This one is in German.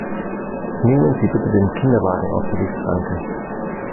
Nehmen Sie bitte den Kinderwagen aus der Lichtschranke!